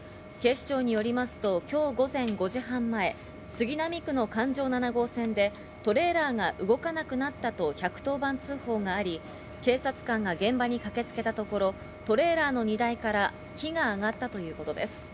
警視庁によりますと、今日午前５時半前、杉並区の環状七号線でトレーラーが動かなくなったと１１０番通報があり、警察官が現場に駆けつけたところ、トレーラーの荷台から火が上がったということです。